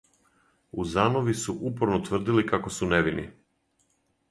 Узанови су упорно тврдили како су невини.